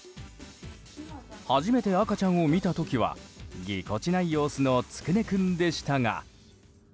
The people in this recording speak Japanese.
初めて、赤ちゃんを見た時はぎこちない様子のつくね君でしたが。